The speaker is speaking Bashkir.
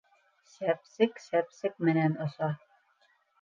Сәпсек сәпсек менән оса.